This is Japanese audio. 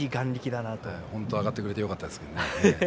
上がってくれてよかったです。